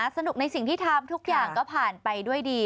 สนุกในสิ่งที่ทำทุกอย่างก็ผ่านไปด้วยดี